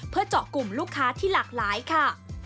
เพื่อเจาะกลุ่มลูกค้าที่หลากหลายค่ะ